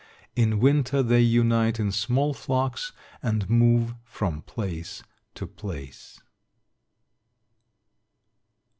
In winter they unite in small flocks and move from place to place.